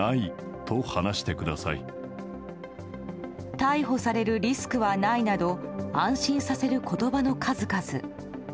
逮捕されるリスクはないなど安心させる言葉の数々。